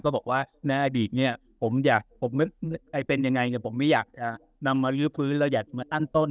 บอกว่าในอดีตเนี่ยผมอยากผมเป็นยังไงเนี่ยผมไม่อยากจะนำมารื้อฟื้นแล้วอยากมาอั้นต้น